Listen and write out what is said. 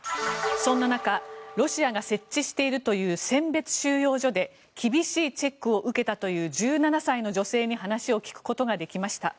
そんな中ロシアが設置しているという選別収容所で厳しいチェックを受けたという１７歳の女性に話を聞くことができました。